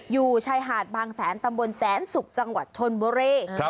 อยู่ชายหาดบางแสนตำบลแสนศุกร์จังหวัดชนบุรี